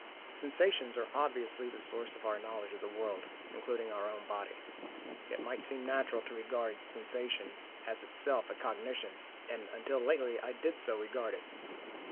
Sensations are obviously the source of our knowledge of the world, including our own body. It might seem natural to regard a sensation as itself a cognition, and until lately I did so regard it.